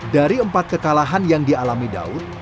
dari empat kekalahan yang dialami daud